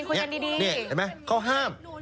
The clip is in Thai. เห็นไหมก็ห้าม